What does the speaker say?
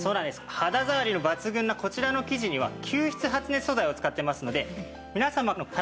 肌ざわりの抜群なこちらの生地には吸湿発熱素材を使っていますので皆様の体から出ます